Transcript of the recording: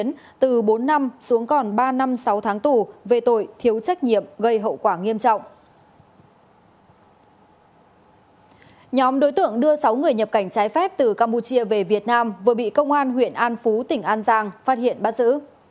sáu người nhập cảnh trái phép từ campuchia về việt nam vừa bị công an huyện an phú tỉnh an giang phát hiện bắt giữ